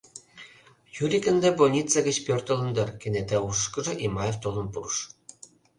«Юрик ынде больница гыч пӧртылын дыр, — кенета ушышкыжо Имаев толын пурыш.